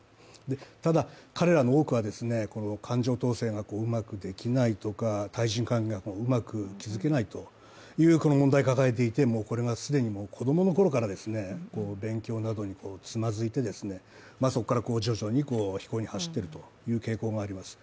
ただ彼らの多くはこの感情統制がうまくできないとか対人関係がうまく築けないという問題を抱えていてこれが既に子供のころから勉強などにつまずいてそこから徐々に非行に走っているという傾向があります。